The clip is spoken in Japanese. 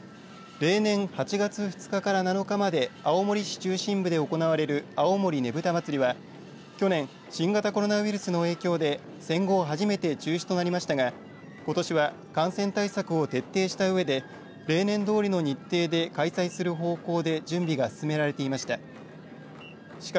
例年８月２日から７日まで青森市中心部で行われる青森ねぶた祭は去年新型コロナウイルスの影響で戦後初めて中止となりましたがことしは感染対策を徹底したうえで例年どおりの日程で開催する方向で準備が進められていました。